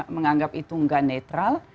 menganggap itu nggak netral